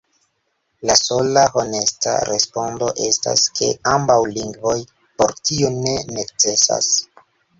La sola honesta respondo estas, ke ambaŭ lingvoj por tio ne necesas.